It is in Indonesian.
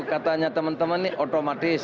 katanya teman teman ini otomatis